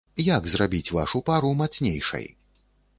Як зрабіць вашу пару мацнейшай?